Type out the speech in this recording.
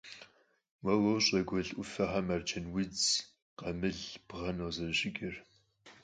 Уэ уощӀэ гуэл Ӏуфэхэм арджэнудз, къамыл, бгъэн къызэрыщыкӀыр.